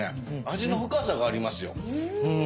味の深さがありますようん。